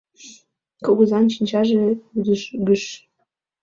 Кугызан шинчаже вӱдыжгыш.